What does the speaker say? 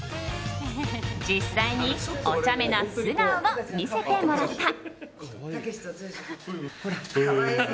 実際におちゃめな素顔を見せてもらった。